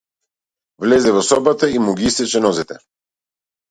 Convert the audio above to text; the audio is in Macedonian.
Влезе во собата и му ги исече нозете.